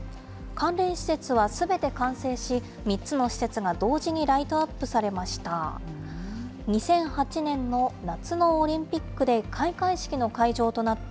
関連施設はすべて完成し、３つの施設が同時にライトアップされました。